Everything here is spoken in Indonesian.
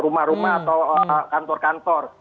rumah rumah atau kantor kantor